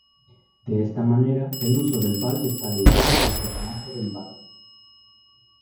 De esta manera, el uso del vals está ligado al personaje del barón.